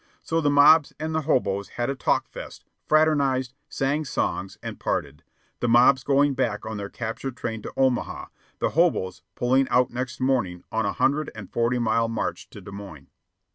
So the mobs and the hoboes had a talkfest, fraternized, sang songs, and parted, the mobs going back on their captured train to Omaha, the hoboes pulling out next morning on a hundred and forty mile march to Des Moines.